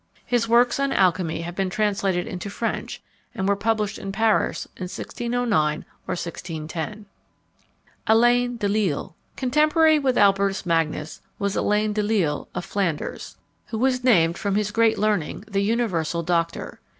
His works on alchymy have been translated into French, and were published in Paris in 1609 or 1610. ALAIN DE LISLE. Contemporary with Albertus Magnus was Alain de Lisle of Flanders, who was named, from his great learning, the "universal doctor."